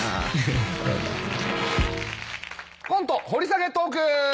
コント掘り下げトーク。